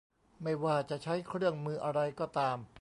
ไม่ว่าจะใช้เครื่องมืออะไรก็ตาม